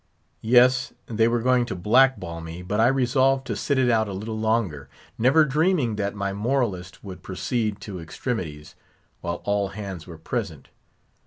Yes, they were going to black ball me; but I resolved to sit it out a little longer; never dreaming that my moralist would proceed to extremities, while all hands were present.